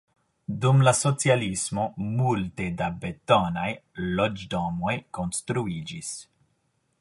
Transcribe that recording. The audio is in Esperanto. Dum la socialismo multe da betonaj loĝdomoj konstruiĝis.